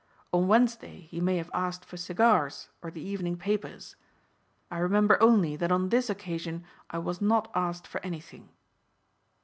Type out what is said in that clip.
On Wednesday he may have asked for cigars or the evening papers. I remember only that on this occasion I was not asked for anything."